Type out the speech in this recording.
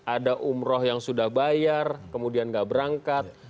ada umroh yang sudah bayar kemudian nggak berangkat